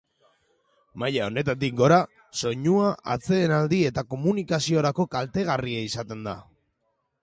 Maila honetatik gora, soinua atsedenaldi eta komunikaziorako kaltegarria izaten da.